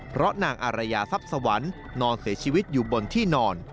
เพราะนางอารยาทรัพย์สวรรค์นอนเสียชีวิตอยู่บนที่นอน